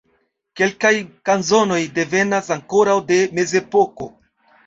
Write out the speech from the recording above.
Kelkaj kanzonoj devenas ankoraŭ de mezepoko.